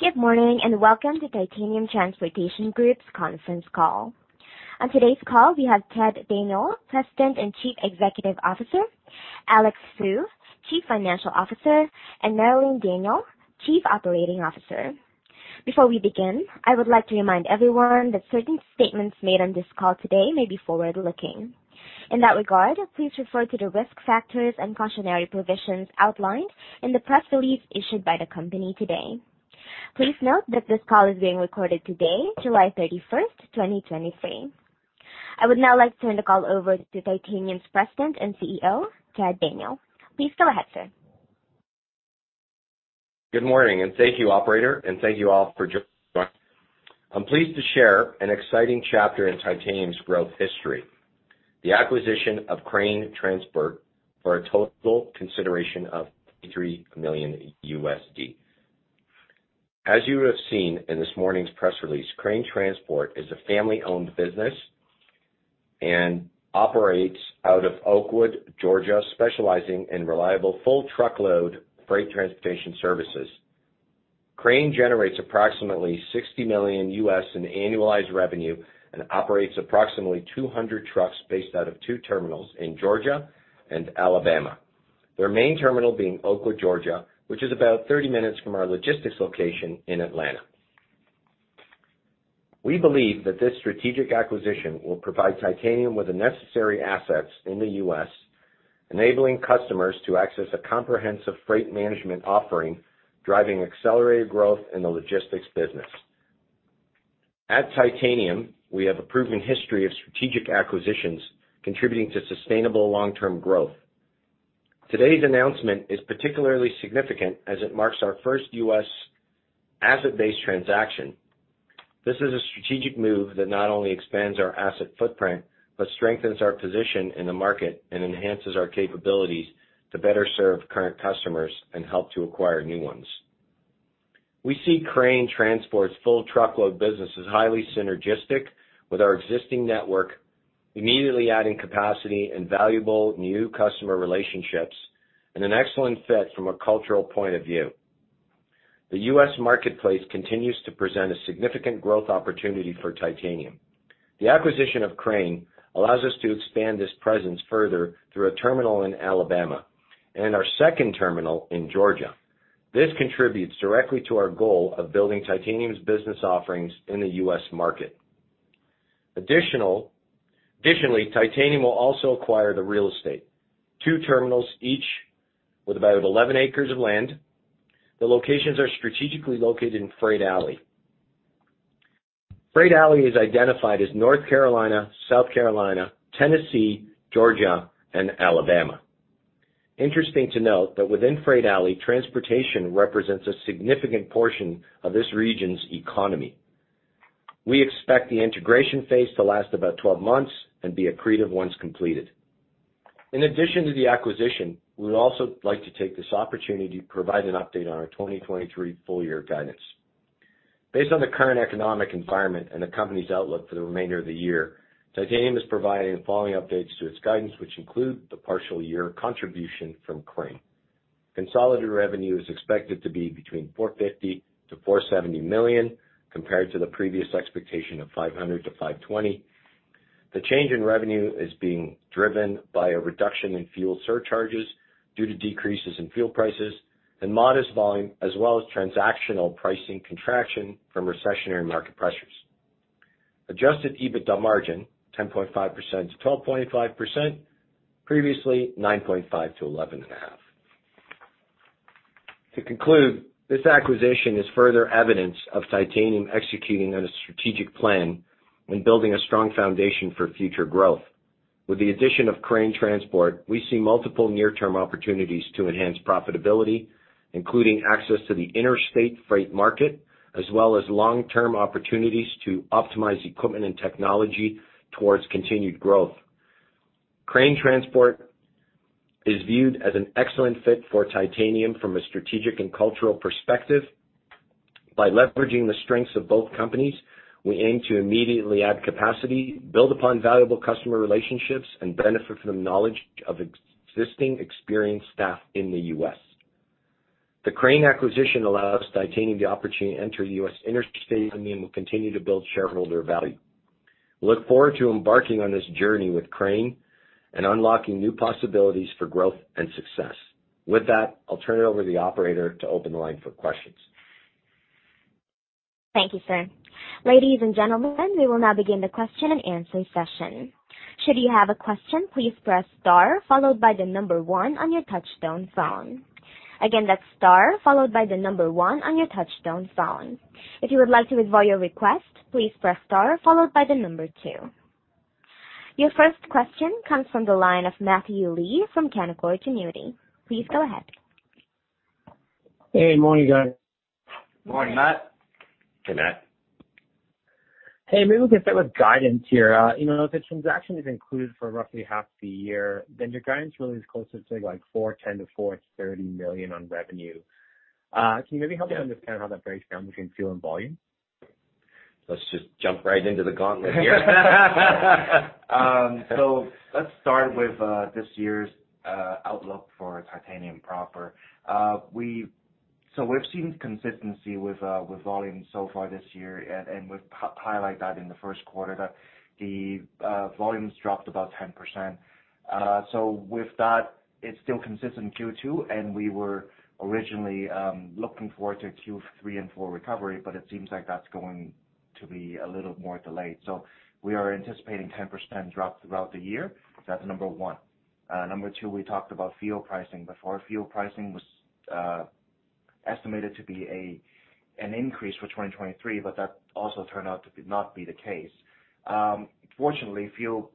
Good morning, and welcome to Titanium Transportation Group's conference call. On today's call, we have Ted Daniel, President and Chief Executive Officer, Alex Fu, Chief Financial Officer, and Marilyn Daniel, Chief Operating Officer. Before we begin, I would like to remind everyone that certain statements made on this call today may be forward-looking. In that regard, please refer to the risk factors and cautionary provisions outlined in the press release issued by the company today. Please note that this call is being recorded today, July 31st, 2023. I would now like to turn the call over to Titanium's President and CEO, Ted Daniel. Please go ahead, sir. Good morning, thank you, operator, and thank you all for joining. I'm pleased to share an exciting chapter in Titanium's growth history, the acquisition of Crane Transport for a total consideration of $3 million. As you would have seen in this morning's press release, Crane Transport is a family-owned business and operates out of Oakwood, Georgia, specializing in reliable Full Truckload freight transportation services. Crane generates approximately $60 million in annualized revenue and operates approximately 200 trucks based out of two terminals in Georgia and Alabama, their main terminal being Oakwood, Georgia, which is about 30 minutes from our logistics location in Atlanta. We believe that this strategic acquisition will provide Titanium with the necessary assets in the U.S., enabling customers to access a comprehensive freight management offering, driving accelerated growth in the logistics business. At Titanium, we have a proven history of strategic acquisitions contributing to sustainable long-term growth. Today's announcement is particularly significant as it marks our first U.S. asset-based transaction. This is a strategic move that not only expands our asset footprint, but strengthens our position in the market and enhances our capabilities to better serve current customers and help to acquire new ones. We see Crane Transport's full truckload business as highly synergistic with our existing network, immediately adding capacity and valuable new customer relationships and an excellent fit from a cultural point of view. The U.S. marketplace continues to present a significant growth opportunity for Titanium. The acquisition of Crane allows us to expand this presence further through a terminal in Alabama and our second terminal in Georgia. This contributes directly to our goal of building Titanium's business offerings in the US market. Additionally, Titanium will also acquire the real estate, two terminals, each with about 11 acres of land. The locations are strategically located in Freight Alley. Freight Alley is identified as North Carolina, South Carolina, Tennessee, Georgia, and Alabama. Interesting to note that within Freight Alley, transportation represents a significant portion of this region's economy. We expect the integration phase to last about 12 months and be accretive once completed. In addition to the acquisition, we would also like to take this opportunity to provide an update on our 2023 full year guidance. Based on the current economic environment and the company's outlook for the remainder of the year, Titanium is providing the following updates to its guidance, which include the partial year contribution from Crane. Consolidated revenue is expected to be between $450 million-$470 million, compared to the previous expectation of $500 million-$520 million. The change in revenue is being driven by a reduction in fuel surcharges due to decreases in fuel prices and modest volume, as well as transactional pricing contraction from recessionary market pressures. Adjusted EBITDA margin, 10.5%-12.5%, previously 9.5%-11.5%. To conclude, this acquisition is further evidence of Titanium executing on a strategic plan and building a strong foundation for future growth. With the addition of Crane Transport, we see multiple near-term opportunities to enhance profitability, including access to the interstate freight market, as well as long-term opportunities to optimize equipment and technology towards continued growth. Crane Transport is viewed as an excellent fit for Titanium from a strategic and cultural perspective. By leveraging the strengths of both companies, we aim to immediately add capacity, build upon valuable customer relationships, and benefit from the knowledge of existing experienced staff in the U.S. The Crane acquisition allows Titanium the opportunity to enter the U.S. interstate and will continue to build shareholder value. We look forward to embarking on this journey with Crane and unlocking new possibilities for growth and success. With that, I'll turn it over to the operator to open the line for questions. Thank you, sir. Ladies and gentlemen, we will now begin the question and answer session. Should you have a question, please press star followed by one on your touch-tone phone. Again, that's star followed by one on your touch-tone phone. If you would like to withdraw your request, please press star followed by two. Your first question comes from the line of Matthew Lee from Canaccord Genuity. Please go ahead. Hey, good morning, guys. Morning, Matt. Hey, Matt. Hey, maybe we can start with guidance here. you know, if the transaction is included for roughly half the year, your guidance really is closer to, like, $410 million-$430 million on revenue. can you maybe help me understand how that breaks down between fuel and volume? Let's just jump right into the gauntlet here. Let's start with this year's outlook for Titanium Proper. We've seen consistency with volume so far this year, and we've highlight that in the first quarter, that the volumes dropped about 10%. With that, it's still consistent in Q2, and we were originally looking forward to a Q3 and Q4 recovery, but it seems like that's going to be a little more delayed. We are anticipating 10% drop throughout the year. That's number one. Number two, we talked about fuel pricing before. Fuel pricing was estimated to be an increase for 2023, but that also turned out to be not be the case. Fortunately, fuel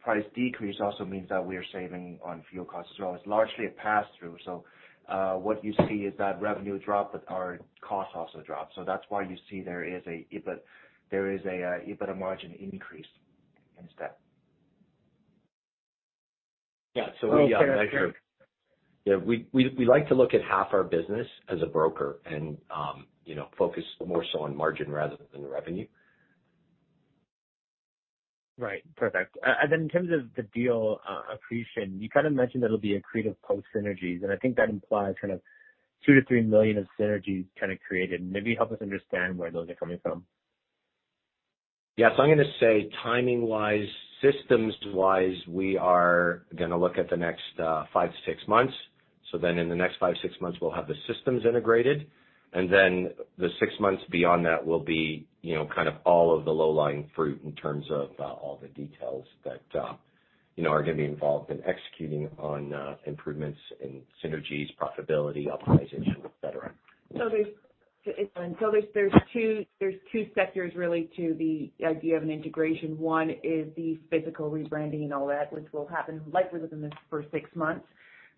price decrease also means that we are saving on fuel costs as well. It's largely a pass-through, so, what you see is that revenue drop, but our costs also drop. That's why you see there is a EBIT, there is a EBITDA margin increase instead. Yeah, we. Yeah. Yeah, we, we, we like to look at half our business as a broker and, you know, focus more so on margin rather than the revenue. Right. Perfect. Then in terms of the deal, accretion, you kind of mentioned that it'll be accretive post synergies, and I think that implies kind of $2 million-$3 million of synergies kind of created. Maybe help us understand where those are coming from. Yeah. I'm gonna say timing-wise, systems-wise, we are gonna look at the next five to six months. Then in the next five to six months, we'll have the systems integrated, and then the six months beyond that will be, you know, kind of all of the low-lying fruit in terms of all the details that, you know, are gonna be involved in executing on improvements in synergies, profitability, optimization, et cetera. There's two sectors really to the idea of an integration. One is the physical rebranding and all that, which will happen likely within the first six months.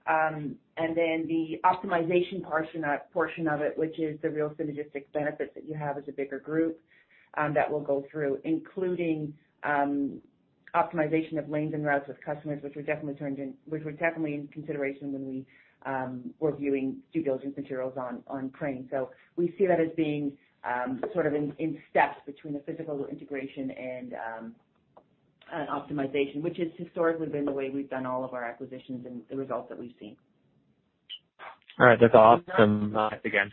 And then the optimization portion, portion of it, which is the real synergistic benefits that you have as a bigger group, that we'll go through, including optimization of lanes and routes with customers, which were definitely in consideration when we were viewing due diligence materials on, on Crane. We see that as being sort of in, in steps between the physical integration and optimization, which has historically been the way we've done all of our acquisitions and the results that we've seen. All right. That's awesome. Thanks again.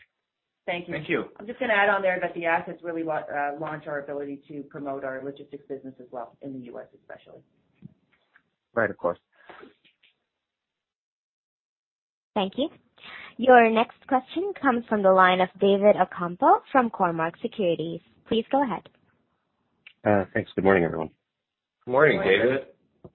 Thank you. Thank you. I'm just gonna add on there that the assets really launch our ability to promote our logistics business as well, in the U.S. especially. Right, of course. Thank you. Your next question comes from the line of David Ocampo from Cormark Securities. Please go ahead. Thanks. Good morning, everyone. Good morning, David. Good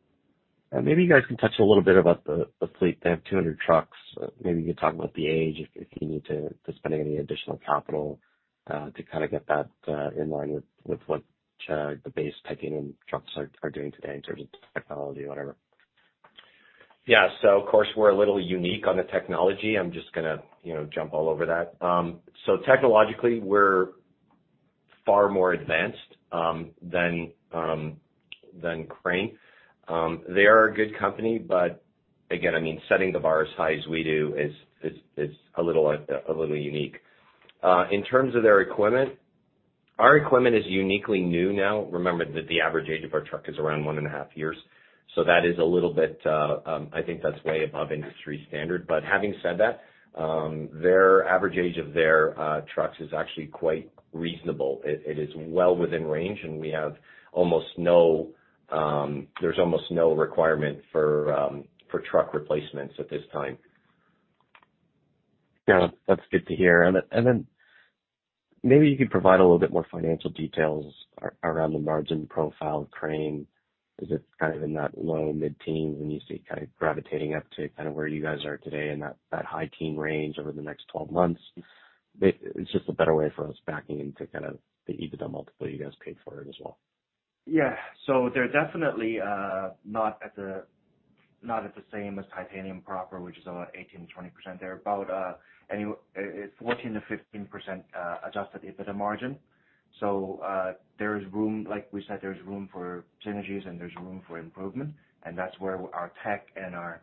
morning. Maybe you guys can touch a little bit about the, the fleet. They have 200 trucks. Maybe you could talk about the age, if, if you need to spend any additional capital, to kind of get that, in line with, with what, the base Titanium trucks are, are doing today in terms of technology, whatever. Yeah. Of course, we're a little unique on the technology. I'm just gonna, you know, jump all over that. Technologically, we're far more advanced than Crane. They are a good company, but again, I mean, setting the bar as high as we do is, is, is a little, a little unique. In terms of their equipment, our equipment is uniquely new now. Remember that the average age of our truck is around 1.5 years, so that is a little bit, I think that's way above industry standard. Having said that, their average age of their trucks is actually quite reasonable. It, it is well within range, and we have almost no, there's almost no requirement for truck replacements at this time. Yeah, that's good to hear. Then, maybe you could provide a little bit more financial details around the margin profile of Crane. Is it kind of in that low, mid-teens, and you see it kind of gravitating up to kind of where you guys are today in that, that high-teen range over the next 12 months? It's just a better way for us backing into kind of the EBITDA multiple you guys paid for it as well. Yeah. They're definitely not at the, not at the same as Titanium Proper, which is about 18%-20%. They're about 14%-15% Adjusted EBITDA margin. There's room, like we said, there's room for synergies and there's room for improvement, and that's where our tech and our,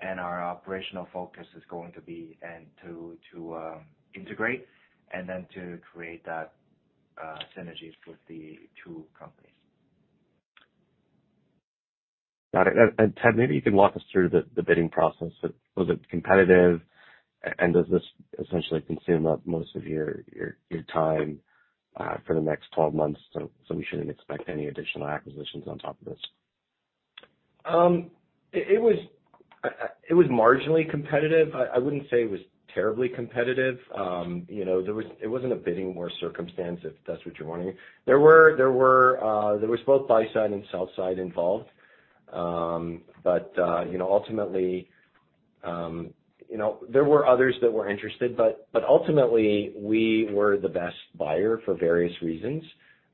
and our operational focus is going to be and to integrate and then to create that synergies with the two companies. Got it. Ted, maybe you can walk us through the, the bidding process. Was it competitive? Does this essentially consume up most of your, your, your time, for the next 12 months, so, so we shouldn't expect any additional acquisitions on top of this? It, it was, it was marginally competitive. I, I wouldn't say it was terribly competitive. You know, it wasn't a bidding war circumstance, if that's what you're wanting. There were, there were, there was both buy side and sell side involved. You know, ultimately, you know, there were others that were interested, but, but ultimately, we were the best buyer for various reasons.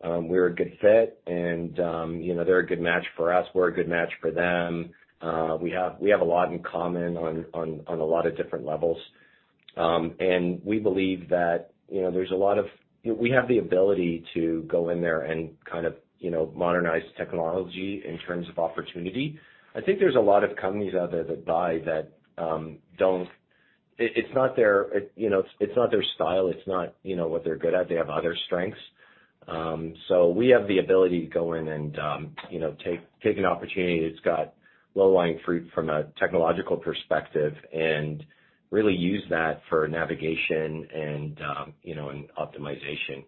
We're a good fit and, you know, they're a good match for us. We're a good match for them. We have, we have a lot in common on, on, on a lot of different levels. We believe that, you know, there's a lot of... We have the ability to go in there and kind of, you know, modernize technology in terms of opportunity. I think there's a lot of companies out there that buy, that, it's not their, you know, it's not their style, it's not, you know, what they're good at. They have other strengths. We have the ability to go in and, you know, take, take an opportunity that's got low-lying fruit from a technological perspective and really use that for navigation and, you know, and optimization.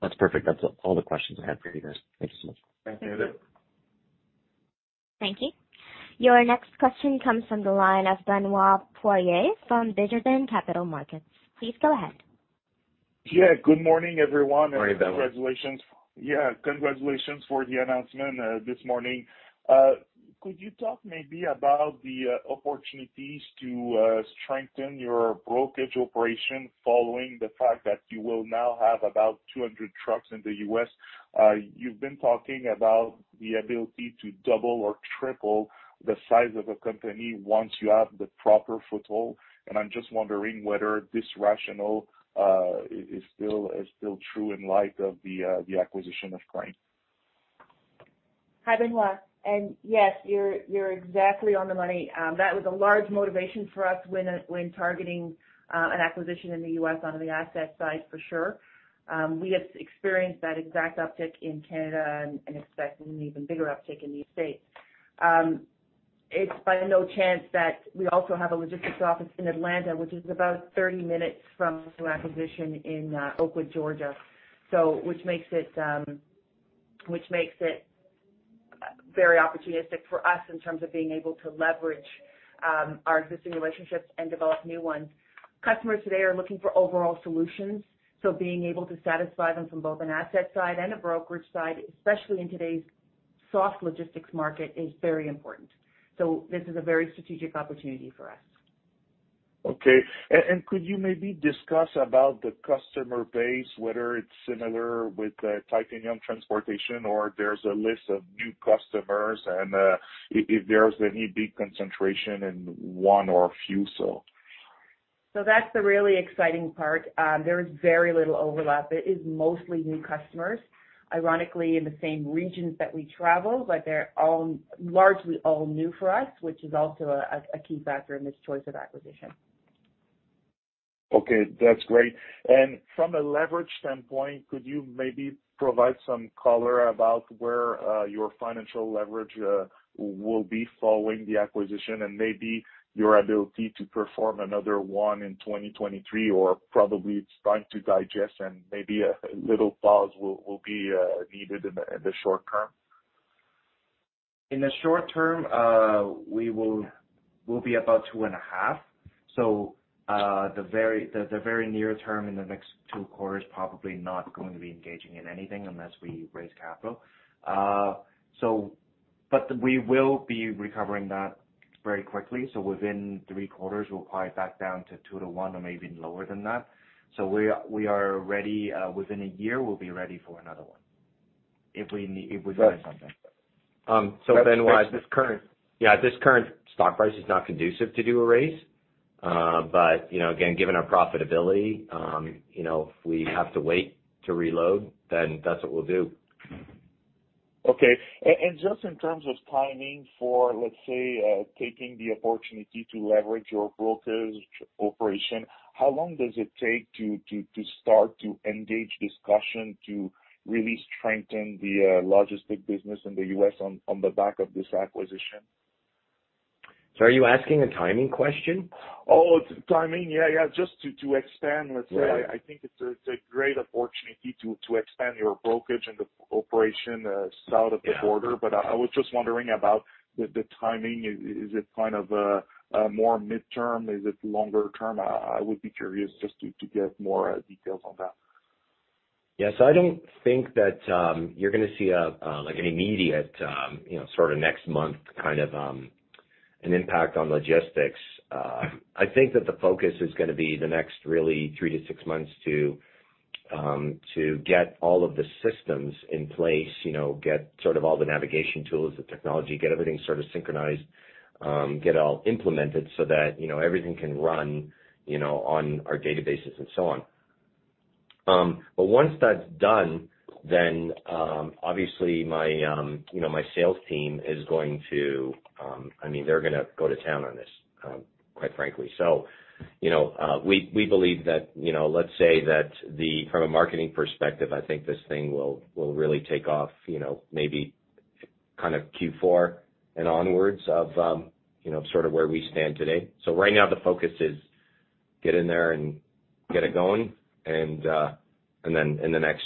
That's perfect. That's all the questions I had for you guys. Thank you so much. Thank you, David. Thank you. Your next question comes from the line of Benoit Poirier from Desjardins Capital Markets. Please go ahead. Yeah. Good morning, everyone. Morning, Benoit. Congratulations. Yeah, congratulations for the announcement this morning. Could you talk maybe about the opportunities to strengthen your brokerage operation following the fact that you will now have about 200 trucks in the US? You've been talking about the ability to double or triple the size of a company once you have the proper foothold, and I'm just wondering whether this rationale is still, is still true in light of the acquisition of Crane. Hi, Benoit. Yes, you're, you're exactly on the money. That was a large motivation for us when targeting an acquisition in the US on the asset side, for sure. We have experienced that exact uptick in Canada and, and expecting an even bigger uptick in the States. It's by no chance that we also have a logistics office in Atlanta, which is about 30 minutes from, from acquisition in Oakwood, Georgia. Which makes it, which makes it very opportunistic for us in terms of being able to leverage our existing relationships and develop new ones. Customers today are looking for overall solutions, so being able to satisfy them from both an asset side and a brokerage side, especially in today's soft logistics market, is very important. This is a very strategic opportunity for us. Okay. could you maybe discuss about the customer base, whether it's similar with Titanium Transportation or there's a list of new customers, and, if, if there's any big concentration in one or a few so? That's the really exciting part. There is very little overlap. It is mostly new customers, ironically, in the same regions that we travel, but they're all, largely all new for us, which is also a, a key factor in this choice of acquisition. Okay, that's great. From a leverage standpoint, could you maybe provide some color about where your financial leverage will be following the acquisition and maybe your ability to perform another one in 2023, or probably it's time to digest and maybe a little pause will, will be needed in the, in the short term? In the short term, we'll be about 2.5. The very, very near term in the next two quarters, probably not going to be engaging in anything unless we raise capital. But we will be recovering that very quickly. Within three quarters, we'll probably back down to two to one or maybe even lower than that. We are, we are ready, within 1 year, we'll be ready for another one, if we find something. Right. Benoit. Yeah, this current stock price is not conducive to do a raise. You know, again, given our profitability, you know, if we have to wait to reload, then that's what we'll do. Okay. Just in terms of timing for, let's say, taking the opportunity to leverage your brokerage operation, how long does it take to start to engage discussion to really strengthen the logistics business in the US on, on the back of this acquisition? Are you asking a timing question? Oh, timing. Just to expand, let's say. I think it's a, it's a great opportunity to expand your brokerage and the operation, south of the border. I was just wondering about the, the timing. Is, is it kind of a, a more midterm? Is it longer term? I would be curious just to, to get more details on that. Yes, I don't think that, you're gonna see a, like an immediate, you know, sort of next month, kind of, an impact on logistics. I think that the focus is gonna be the next really three to six months to, to get all of the systems in place, you know, get sort of all the navigation tools, the technology, get everything sort of synchronized, get all implemented so that, you know, everything can run, you know, on our databases and so on. Once that's done, then, obviously my, you know, my sales team is going to. I mean, they're gonna go to town on this, quite frankly. You know, we, we believe that, you know, let's say that the, from a marketing perspective, I think this thing will, will really take off, you know, maybe kind of Q4 and onwards of, you know, sort of where we stand today. Right now the focus is get in there and get it going and then in the next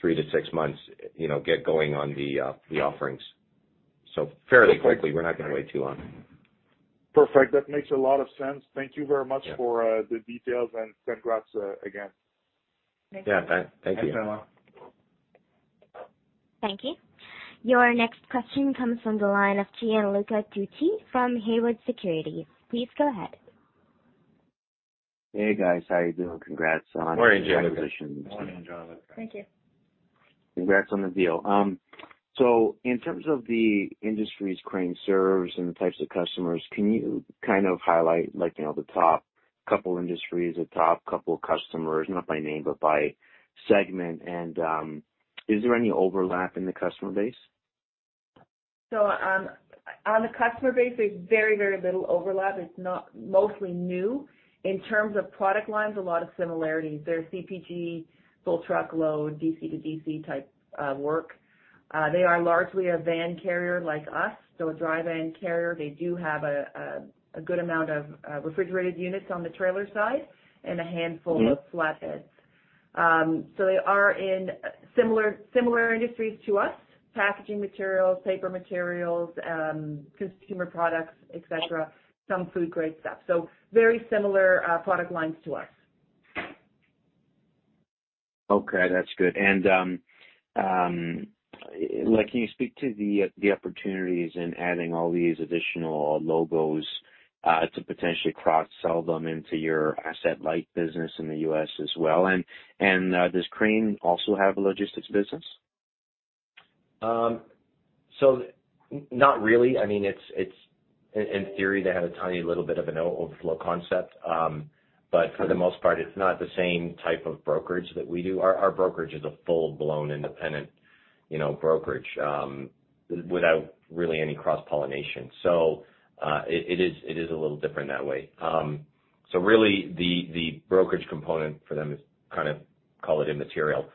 three to six months, you know, get going on the offerings. Fairly quickly, we're not gonna wait too long. Perfect. That makes a lot of sense. Thank you very much for the details and congrats again. Thank you. Yeah, thank, thank you. Thanks, Benoit. Thank you. Your next question comes from the line of Gianluca Tucci from Haywood Securities. Please go ahead. Hey, guys. How are you doing? Congrats. Morning, Gianluca. Morning, Gianluca. Thank you. Congrats on the deal. In terms of the industries Crane serves and the types of customers, can you kind of highlight, like, you know, the top two industries, a top two customers, not by name, but by segment? Is there any overlap in the customer base? On, on the customer base, there's very, very little overlap. It's not mostly new. In terms of product lines, a lot of similarities. They're CPG, full truckload, DC to DC type, work. They are largely a van carrier like us, so a dry van carrier. They do have a good amount of refrigerated units on the trailer side and a handful-of flatbeds. They are in similar, similar industries to us, packaging materials, paper materials, consumer products, et cetera, some food-grade stuff. Very similar, product lines to us. Okay, that's good. Like, can you speak to the, the opportunities in adding all these additional logos to potentially cross-sell them into your asset-light business in the U.S. as well? Does Crane also have a logistics business? Not really. I mean, it's, in, in theory, they had a tiny little bit of an overflow concept. For the most part, it's not the same type of brokerage that we do. Our, our brokerage is a full-blown independent, you know, brokerage, without really any cross-pollination. It, it is, it is a little different that way. Really, the, the brokerage component for them is kind of, call it, immaterial.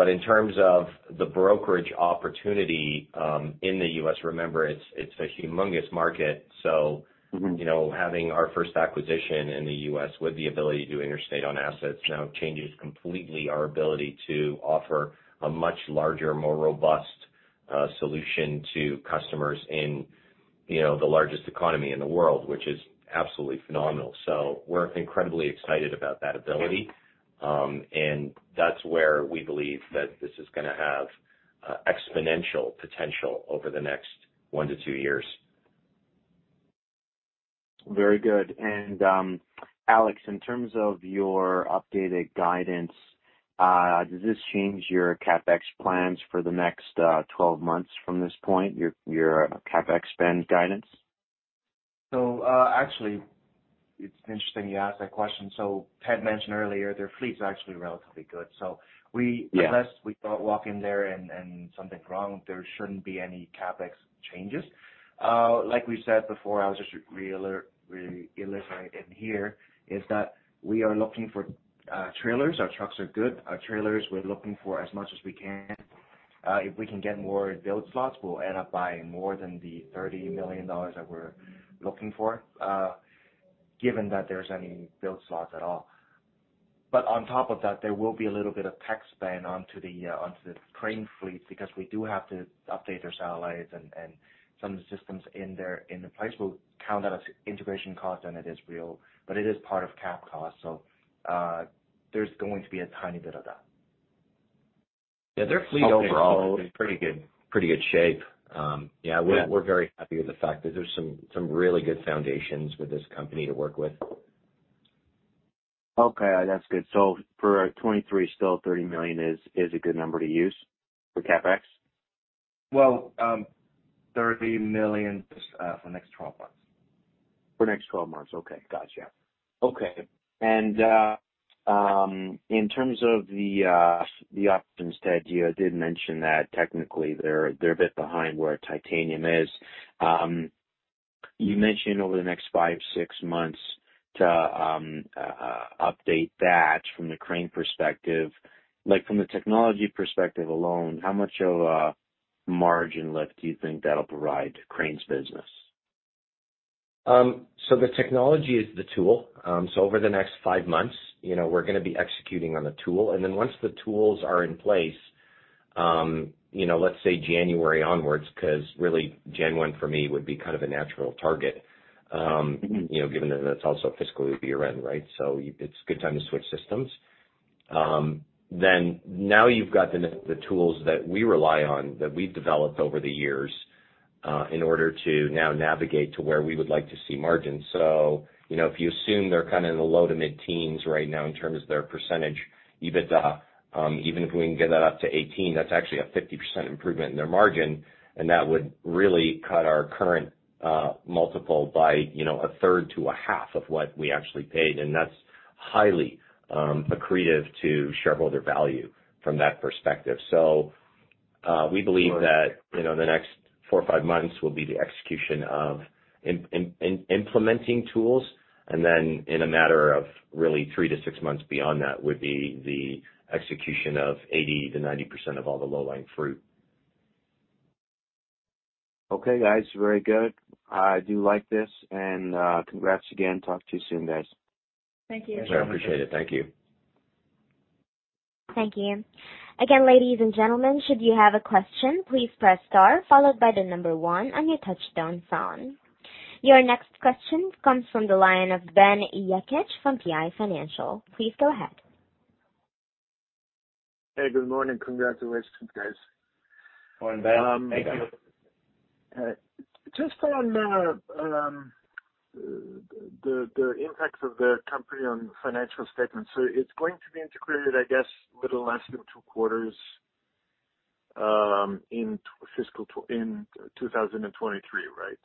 In terms of the brokerage opportunity, in the U.S., remember, it's, it's a humongous market. You know, having our first acquisition in the U.S. with the ability to do interstate on assets now changes completely our ability to offer a much larger, more robust, solution to customers in, you know, the largest economy in the world, which is absolutely phenomenal. We're incredibly excited about that ability. And that's where we believe that this is gonna have, exponential potential over the next one to two years. Very good. Alex, in terms of your updated guidance, does this change your CapEx plans for the next 12 months from this point, your CapEx spend guidance? Actually, it's interesting you ask that question. Ted mentioned earlier, their fleet's actually relatively good. Unless we walk in there and, and something's wrong, there shouldn't be any CapEx changes. Like we said before, I'll just re-alert, re-illustrate in here, is that we are looking for trailers. Our trucks are good. Our trailers, we're looking for as much as we can. If we can get more build slots, we'll end up buying more than the $30 million that we're looking for, given that there's any build slots at all. On top of that, there will be a little bit of tech spend onto the Crane fleet because we do have to update their satellites and, and some of the systems in there, in the place. We'll count that as integration cost, and it is real, but it is part of CapEx cost. There's going to be a tiny bit of that. Yeah, their fleet overall is in pretty good, pretty good shape. We're, we're very happy with the fact that there's some, some really good foundations with this company to work with. Okay, that's good. For 2023, still $30 million is a good number to use for CapEx? Well, $30 million, for the next 12 months. For next 12 months. Okay. Gotcha. Okay. In terms of the, the options that you did mention that technically they're, they're a bit behind where Titanium is. You mentioned over the next five, six months to update that from the Crane perspective. Like, from the technology perspective alone, how much of a margin lift do you think that'll provide to Crane's business? The technology is the tool. Over the next 5 months, you know, we're gonna be executing on the tool. Then once the tools are in place, you know, let's say January onwards, because really January for me would be kind of a natural target. You know, given that it's also a fiscal year-end, right? It's a good time to switch systems. Then now you've got the tools that we rely on, that we've developed over the years, in order to now navigate to where we would like to see margins. You know, if you assume they're kind of in the low to mid-teens right now in terms of their percentage, EBITDA, even if we can get that up to 18, that's actually a 50% improvement in their margin, and that would really cut our current multiple by, you know, 1/3 to 1/2 of what we actually paid, and that's highly accretive to shareholder value from that perspective. We believe that you know, the next four or five months will be the execution of implementing tools, and then in a matter of really three to six months beyond that would be the execution of 80%-90% of all the low-lying fruit. Okay, guys. Very good. I do like this, and congrats again. Talk to you soon, guys. Thank you. Sure, appreciate it. Thank you. Thank you. Again, ladies and gentlemen, should you have a question, please press star followed by the number one on your touch-tone phone. Your next question comes from the line of Benoit Poirier from PI Financial. Please go ahead. Hey, good morning. Congratulations, guys. Morning, Ben. How are you? Just on the impact of the company on the financial statements. It's going to be integrated, I guess, little less than two quarters? In fiscal, in 2023, right?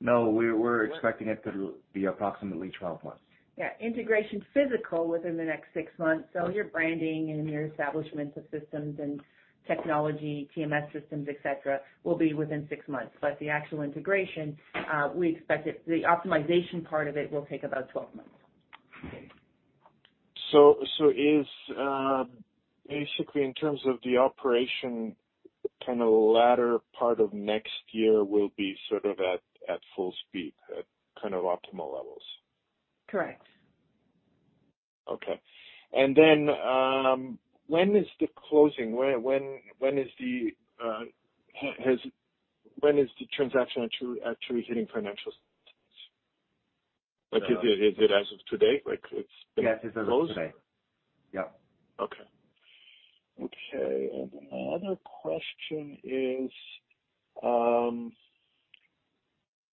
No, we were expecting it to be approximately 12 months. Yeah, integration physical within the next 6 months. Your branding and your establishment of systems and technology, TMS systems, et cetera, will be within six months. The actual integration, we expect it, the optimization part of it will take about 12 months. So is, basically, in terms of the operation, kind of latter part of next year will be sort of at full speed, at kind of optimal levels? Correct. Okay. Then, when is the closing? When is the transaction actually, actually hitting financial? Like, is it as of today? Like, it's been closed. Yes, it's as of today. Okay. Okay, another question is,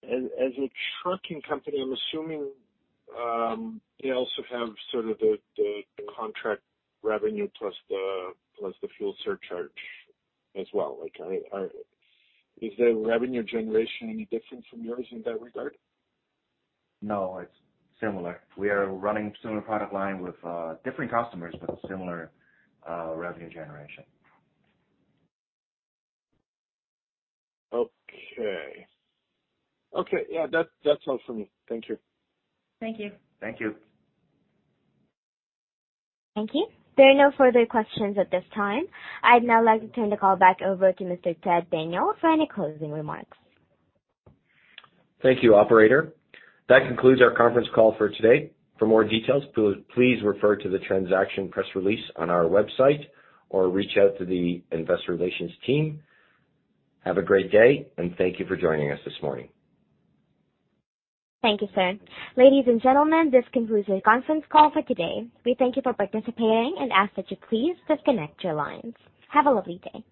as, as a trucking company, I'm assuming, they also have sort of the, the contract revenue plus the, plus the fuel surcharge as well. Like, I... Is the revenue generation any different from yours in that regard? No, it's similar. We are running similar product line with, different customers, but similar, revenue generation. Okay. That's all for me. Thank you. Thank you. Thank you. Thank you. There are no further questions at this time. I'd now like to turn the call back over to Mr. Ted Daniel for any closing remarks. Thank you, operator. That concludes our conference call for today. For more details, please refer to the transaction press release on our website or reach out to the investor relations team. Have a great day, and thank you for joining us this morning. Thank you, sir. Ladies and gentlemen, this concludes your conference call for today. We thank you for participating and ask that you please disconnect your lines. Have a lovely day.